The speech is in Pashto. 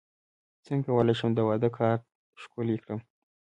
څنګه کولی شم د واده کارت ښکلی کړم